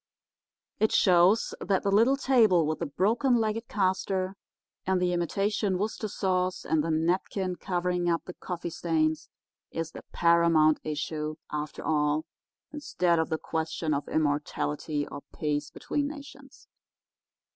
It shows that the little table with the broken legged caster and the imitation Worcester sauce and the napkin covering up the coffee stains is the paramount issue, after all, instead of the question of immortality or peace between nations.